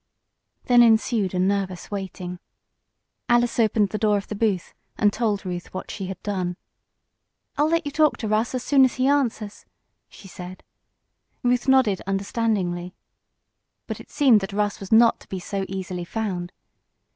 Then ensued a nervous waiting. Alice opened the door of the booth and told Ruth what she had done. "I'll let you talk to Russ as soon as he answers," she said. Ruth nodded understandingly. But it seemed that Russ was not to be so easily found.